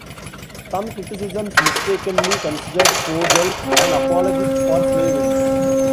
Some criticisms mistakenly considered Fogel an apologist for slavery.